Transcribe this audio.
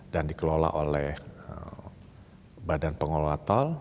dan dikelola oleh badan pengelola tol